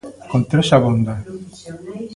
Con tres abonda.